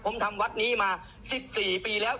ผมทำวัดนี้มา๑๔ปีแล้ว